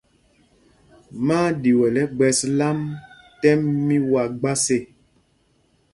Má á ɗyuɛl ɛgbɛ̄s lām tɛ́m mí wa gbas ê.